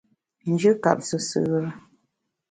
Njù kap sùsù re.